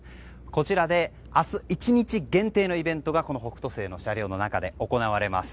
こちらで明日１日限定のイベントが「北斗星」の車両の中で行われます。